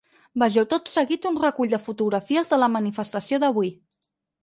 Vegeu tot seguit un recull de fotografies de la manifestació d’avui.